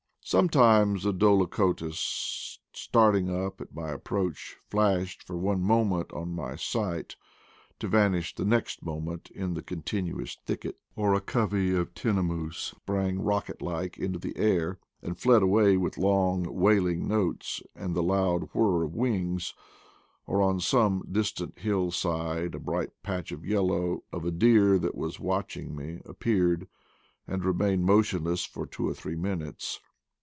Sometimes a dolichotis, starting tip at my ap proach, flashed for one moment on my sight, to vanish the next moment in the continuous thicket; or a covey of tinamons sprang rocket like into the air, and fled away with long wailing notes and loud whir of wings ; or on some distant hill side a bright patch of yellow, of a deer that was watch ing me, appeared and remained motionless for two or three minutes.